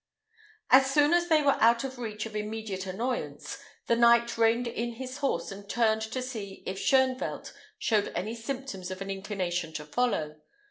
As soon as they were out of reach of immediate annoyance, the knight reined in his horse, and turned to see if Shoenvelt showed any symptoms of an inclination to follow.